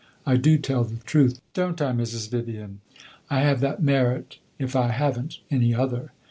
I do tell the truth, don't I, Mrs. Vivian? I have that merit, if I have n't any other.